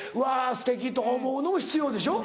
すてきとか思うのも必要でしょ？